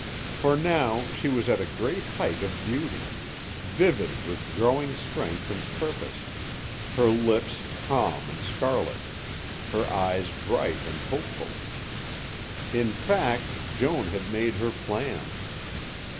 For now she was at a great height of beauty, vivid with growing strength and purpose, her lips calm and scarlet, her eyes bright and hopeful. In fact, Joan had made her plans.